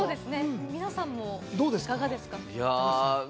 皆さんいかがですか？